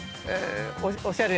おしゃれ。